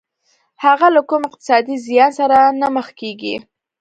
هغه له کوم اقتصادي زيان سره نه مخ کېږي.